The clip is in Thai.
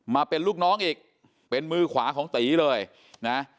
มาเป็นลูกน้องอีกเป็นมือขวาของตีเลยนะ